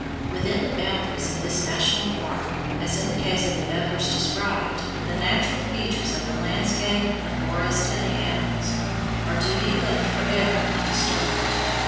Within the boundaries of this national park, as in the case of the others described, the natural features of the landscape, the forests, and the animals, are to be left forever undisturbed.